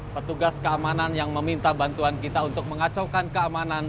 petugas keamanan yang meminta bantuan kita untuk mengacaukan keamanan